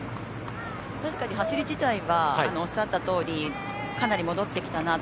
確かに走り自体はおっしゃた通りかなり戻ってきたなと。